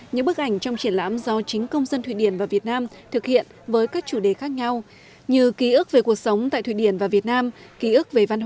những bức ảnh trong triển lãm do chính công dân thụy điển và việt nam thực hiện với các chủ đề khác nhau